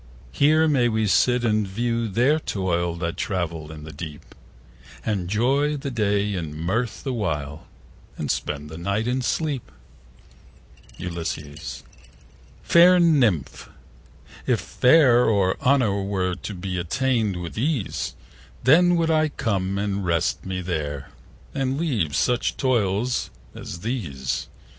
Here may we sit and view their toil 5 That travail in the deep, And joy the day in mirth the while, And spend the night in sleep. Ulysses.Fair Nymph, if fame or honour were To be attain'd with ease, 10 Then would I come and rest me there, And leave such toils as these.